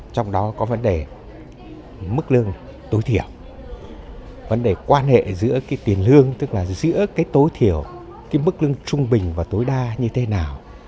trong đó có vấn đề mức lương tối thiểu vấn đề quan hệ giữa cái tiền lương tức là giữa cái tối thiểu cái mức lương trung bình và tối đa như thế nào